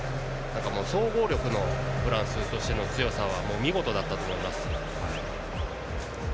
総合力のフランスとしての強さは見事だったと思います。